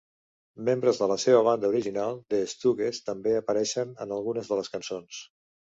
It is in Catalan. Membres de la seva banda original The Stooges també apareixen en algunes de les cançons.